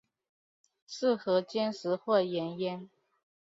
适合煎食或盐腌。